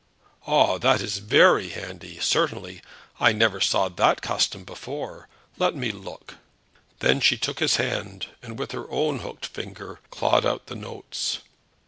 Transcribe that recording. "Ah; that is very handy, certainly. I never saw that custom before. Let me look." Then she took his hand, and with her own hooked finger clawed out the notes.